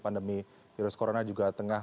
pandemi virus corona juga tengah